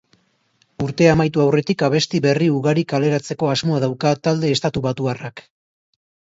Urtea amaitu aurretik abesti berri ugari kaleratzeko asmoa dauka talde estatubatuarrak.